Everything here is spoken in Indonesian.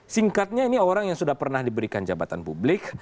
singkatnya ini orang yang sudah pernah diberikan jabatan publik